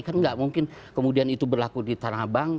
kan nggak mungkin kemudian itu berlaku di tanah abang